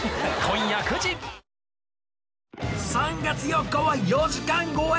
３月４日は４時間超え